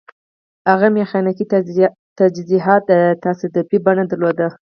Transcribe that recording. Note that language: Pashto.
هغه میخانیکي تجهیزات تصادفي بڼه درلوده